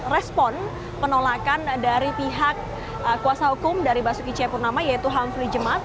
respon penolakan dari pihak kuasa hukum dari basuki c purnama yaitu humphrey jemat